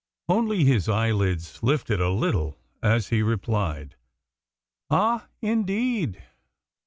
Only his eyelids lifted a little as he replied: "Ah, indeed?